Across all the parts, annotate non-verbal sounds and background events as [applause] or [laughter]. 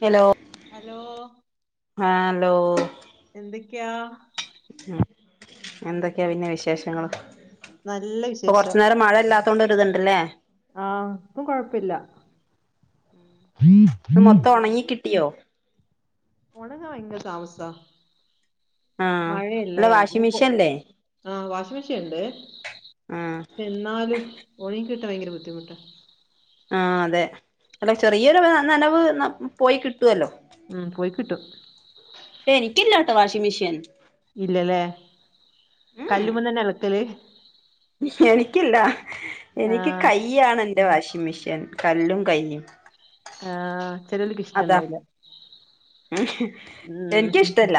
Hello. Hello... hello. എന്തൊക്കെയാ? ഉ എന്തൊക്കെയാ പിന്നെ വിശേഷങ്ങൾ നല്ല ഇപ്പൊ വിശേഷം കൊറച്ച് നേരം മഴ ഇല്ലാത്തത്. തൊണ്ടരുതുണ്ടല്ലേ? ആഹ ഇപ്പം കൊഴപ്പില്ല. മൊത്തം പിന്നെ ഉണങ്ങി കിട്ടിയോ? ഉണങ്ങാൻ ഭയങ്കര താമസം ആ അല്ല മഴല്ലേ വാഷിംഗ് ഓ- മെഷീൻല്ലേ ആഹ് വാഷിംഗ് മെഷീൻ ഉണ്ട്. ഉം.. എന്നാലും ഉണങ്ങി കിട്ടാൻ ഭയങ്കര ബുദ്ധിമുട്ടാ ആ അതെ അല്ല ചെറിയൊരു നനവ് പോയി കിട്ടുവല്ലോ. ഉം പോയി കിട്ടും. എനിക്ക് ഇല്ലാട്ടോ വാഷിംഗ്‌ മെഷീൻ. ഇല്ലല്ലേ ഉം കല്ലുമ്മ തന്നെയ അലക്കല്. എനിക്കില്ല എനിക്ക് ആഹ് കൈയാണ് എന്റെ വാഷിംഗ് മെഷീൻ കല്ലും കൈയും- ആഹ ചിലവർക്ക് ഇഷ്ടയുണ്ടാവില്ല. ഉം എനിക്കിഷ്ടല്ല.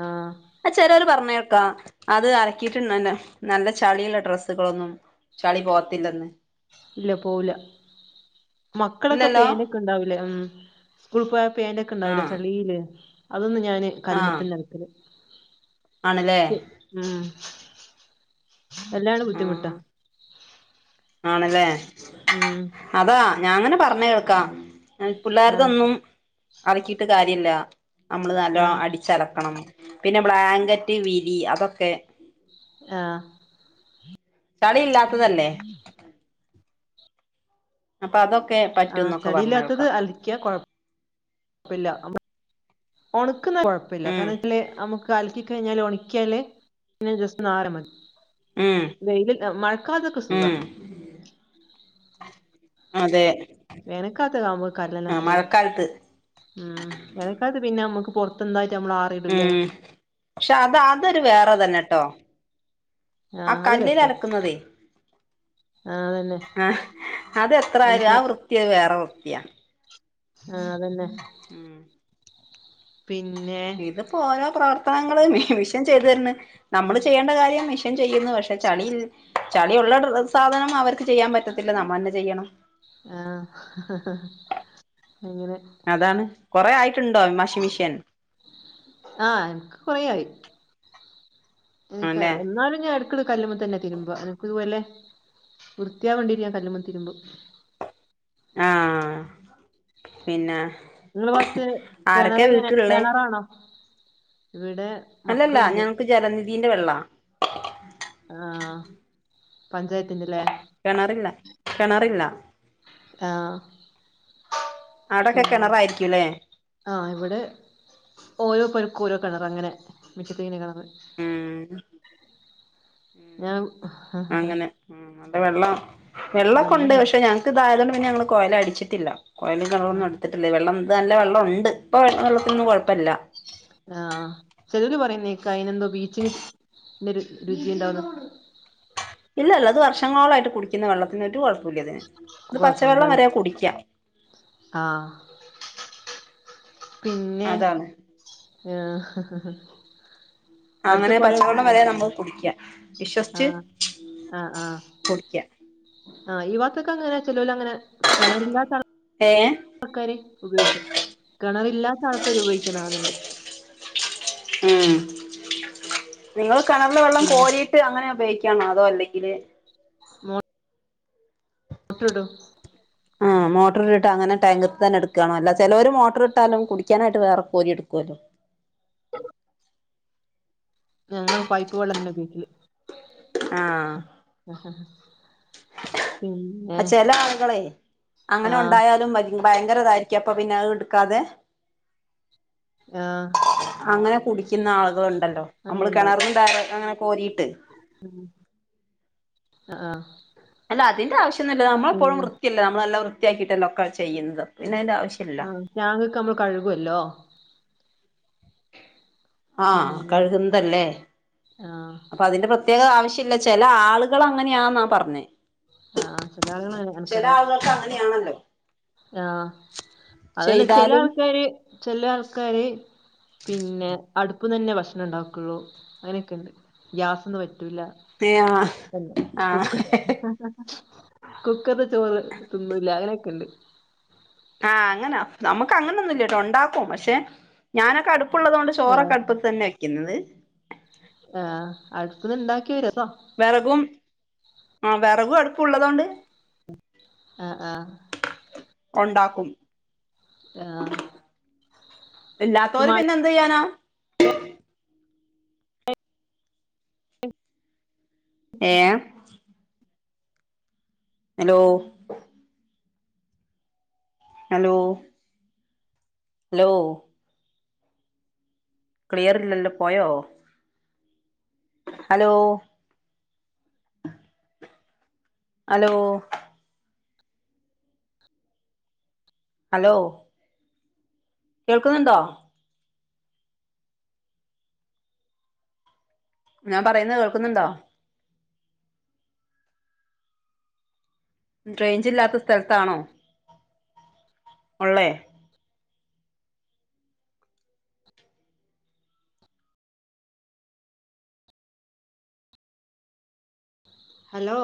ആഹ് ആ ചിലവർ പറഞ്ഞ് കേൾക്കാം അത് അലക്കിയിട്ടു നല്ല ചളിയുള്ള ഡ്രസ്സുകളൊന്നും- ചളി പോത്തില്ലെന്ന്. ഇല്ല പോവൂല മക്കളൊക്കെ ഇല്ലല്ലോ പേനൊക്കെ ഉണ്ടാവൂലേ ഉം- സ്കൂൾ പോയെ പേന്റൊക്കെണ്ടാവുലെ ആഹ് ചളീല് അതൊന്നും ഞാന് ആഹ് കല്ല്മ്മത്തന്നെ അലക്കല്. ആണല്ലേ. ഉം എല്ലാണ് ബുദ്ധിമുട്ട് ആഹ് ആണല്ലേ. ഉം.. അതാ ഞാൻ അങ്ങനെ പറഞ്ഞ കേൾക്കാം ആഹ് പിള്ളേരുതൊന്നും- അലക്കിയിട്ട് കാര്യമില്ല നമ്മള് നല്ല ആഹ് അടിച്ചലക്കണം. പിന്നെ ബ്ലാങ്കറ്റ് വീരി അതൊക്കെ- ആഹ്. ചളി ഇല്ലാത്തതല്ലെ. അപ്പൊ അതൊക്കെ- ആഹ് പറ്റുംന്നൊക്കെ പറഞ്ഞ് ചളിയില്ലാത്തത് കേൾക്കാം അലിക്കിയാ കൊഴപ്പ- ഴപ്പില്ല ഒണക്കുന്ന കുഴപ്പില്ല ഉം കാരണം ഇ നമുക്ക് പ്പ അലക്കി കഴിഞ്ഞാൽ ഓണാക്കിയാൽ പിന്നെ അത് ജസ്റ്റ് നാറുന്നു ഉം വെയിൽ മഴക്കാലത്തൊക്കെ സുഖ ഉം അതെ വേനക്കാലത്തു ആകുമ്പോ [unintelligible] ആ നല്ലത്, മഴക്കാലത്ത് ഉം വേനൽ കാലത്തു പിന്നെ നമ്മുക്ക് പൊർ സ്വന്തയിട്ട് നമ്മളെ ഉം, പക്ഷെ അത അതൊരു വേറെ തന്നെട്ടോ ആ ആഹ് അത് കല്ലില് രസാ അലക്കുന്നതേ ആഹ് അതന്നെ ആഹ് അതെത്ര ആയാലും നമുക്ക് ആ വൃത്തി അത് വേറെ വൃത്തിയാ ആഹ് അതന്നെ ഉം പിന്നെ ഇപൊ ഓരോ പ്രവർത്തനങ്ങള് മിഷൻ ചെയ്തു തരന്ന്, നമ്മള് ചെയ്യേണ്ട കാര്യം മിഷൻ ചെയ്യുന്നു പക്ഷേ പ്പ, ചളീം, ചളിയ ഉള്ള സാധനം അവർക്ക് ചെയ്യാൻ പറ്റത്തില്ല നമ്മൾ തന്നെ ചെയ്യണം ആഹ് അങ്ങനെ അതാണ് കുറേ ആയിട്ട്ണ്ടോ വാഷിംഗ്‌ മെഷീൻ ആഹ് എനിക്ക് കൊറയായി എനക്ക് ആണല്ലേ എന്നാലും ഞൻ എട ക്ക്‌ൻ കല്ലുമ്മെ തന്നെ തിരുമ്പ, എനക്ക് ഇതുപോലെ വൃത്തിയാവണ്ടി ഞാൻ കല്ലുമ്മ തിരുമ്പും ആഹ് പിന്നെ നിങ്ങള് വാ ആരൊക്കെയാ കിണറെങ്ങനെ വീട്ടിലുള്ളേ കിണറാണോ ഇവിടെ അല്ലല്ല മക്കളുണ്ട് ഞങ്ങക്ക് ജലനിധിന്റെ വെള്ളാ ആഹ്, പഞ്ചായത്തിന്റെലെ? കിണറില്ല, കിണറില്ല ആഹ് അവിടൊക്കെ പിന്നെ കിണറായിരിക്കുലെ ആഹ് ഇവിടെ ഓരോ പെരക്കും ഓരോ കിണർ, അങ്ങനെ മിറ്റത്തിങ്ങനെ കിണർ ഉം ഞാൻ അഹ് അഹ് [unintelligible] വെള്ളം വെള്ളൊ ക്കെ ഉണ്ട്, വെള്ളണ്ട് പക്ഷെ ഞങ്ങക്ക് ഇതായതുകൊണ്ട് പിന്നെ ഞങ്ങൾ കൊയല അടിച്ചിട്ടില്ല കൊഴൽ കിണറൊന്നും എടുത്തിട്ടില്ലേ, വെള്ളം ഇപ്പൊ നല്ല വെള്ളം ഉണ്ട്, ഇപ്പോ വള്ള വെള്ളത്തിനൊന്നും കുഴപ്പല്ല ആഹ്, ചെലര് പറയുന്ന കേൾകക അയിന എന്തോ ബീച്ചിങ്ന്റെ രുചി ഉണ്ടാവുന്നു ഇല്ല, അല്ല അത് വർഷങ്ങളോളയിട്ട് കുടിക്കുന്ന വെള്ളത്തിനൊരു കുഴപ്പു ല്ലതിന് കുഴപ്പന്നുല്ലല്ലോ ആഹ് പിന്നെ അതാണ് ആഹ് അങ്ങനെ പച്ചവെള്ളം വരെ നമ്മൾ കുടിക്ക വിശ്വസിച്ച് ആഹ് ആഹ് ആഹ് കുടിക്ക ആഹ് ഈ വാതൊക്കെ അങ്ങനെ ചെലോലങ്ങനെ കിണറില്ലാത്ത ഏഹ് ആൾക്കാര് ഉപയോഗിക്കും, കിണറല്ലാത്ത ആൾക്കാര് ഉപയോഗിക്കുന്ന കാണലുണ്ട് ഉം നിങ്ങൾ കിണറില വെള്ളം പിന്നെ കോരി ട്ട്, അങ്ങനെ ഉപയോഗിക്കാണോ അതോ അല്ലെങ്കിൽ മോ ട്ടിടും ആഹ് മോട്ടർ ഇട്ട് അങ്ങനെ ടാങ്കത്ത് തന്നെ എടുക്കണ അല്ല ചിലോര് മോട്ടർ ഇട്ടാലും കുടിക്കാനായിട്ട് വേറെ കോരി എടുക്കുല്ലോ ഞങ്ങള് പൈപ്പ് വെള്ളം തന്നെ ഉപയോഗിക്കൽ ആഹ് ആഹ് ഹ പ, ചില ആളുകളെ അങ്ങനെ ആഹ് ഉണ്ടായാലും വ ഭയങ്കരതായിരിക്കും അപ്പൊ പിന്നെ അത് എടുക്കാതെ ആഹ് അങ്ങനെ കുടിക്കുന്ന ആളുകളുണ്ടല്ലോ, നമ്മള് കിണറിന്റെ അങ്ങനെ കോരിട്ട് ഉം, അഹ് ആ അല്ല അതിന്റെ ആവശ്യന്നുല്ല, നമ്മളെപ്പോഴും വൃത്തിയല്ലെ, നമ്മളല്ല വൃത്തിയാക്കയിട്ടല്ലെ ഒക്ക ചെയ്യുന്നത്. പിന്നത്തിന്റെ ആവ ആഹ ടാങ്ക് ക്കെ മ്മൾ കഴുകുല്ലോ ആഹ പിന്നെ കഴുകുന്നതല്ലേ ആഹ് അപ്പൊ അതിന്റെ പ്ര പ്രത്യേകം ആവശ്യമല്ല ചില ആളുകൾ അങ്ങനെയാന്നാ പറഞ്ഞെ ആഹ് ചില ആളുകൾ ചെല ആളുകൾക്ക് അങ്ങനെയാണല്ലോ ആഹ അതനെ ചെല ചെയ്താലും ആൾക്കാര് ചെല ആൾക്കാര് പിന്നെ അടുപ്പ് തന്നെ ഭക്ഷണം ഉണ്ടാക്കുള്ളൂ അങ്ങനെയൊക്കെണ്ട് ഗ്യാസൊന്നും പറ്റൂല്ല ആഹ് ആഹ് കുക്ക കുക്കറ് ചോറ് തിന്നില്ല്യ അങ്ങനൊക്കെ ണ്ട് ആഹ് അങ്ങനനമുക്ക് അങ്ങനെന്നുല്ലാട്ടോ ഉണ്ടാക്കും പക്ഷെ ഞാനൊക്കെ അടുപ്പുള്ളോണ്ട് ആഹ് ചോറൊക്കെ അടുപ്പ തന്നെ വയ്ക്കുന്നത് ആഹ് അടുപ്പത് ഇണ്ടാക്കിയാരസം വെറകും ആ വെറകും അടുപ്പുംള്ളതോണ്ട് ആഹ ആഹ ഒണ്ടാക്കും ആഹ ഇല്ലാത്തോര്പിന്നെ ന്ത്യ്യാനാ ഏ ഹലോ ഹലോ ഹലോ ക്ലിയർ ഇല്ലല്ലോ പോയോ ഹലോ ഹലോ ഹലോ കേൾക്കുന്നുണ്ടോ ഞാൻ പറയുന്നത് കേൾക്കുന്നുണ്ടോ റേഞ്ച് ഇല്ലാത്ത സ്ഥലത്താണോ ഉള്ളെ ഹലോ